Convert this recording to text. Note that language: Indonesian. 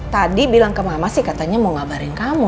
tadi bilang ke mama sih katanya mau ngabarin kamu